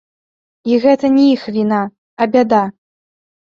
І гэта не іх віна, а бяда.